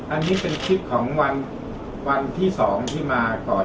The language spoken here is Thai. อันนี้เป็นคลิปของวันที่๒ที่มาก่อน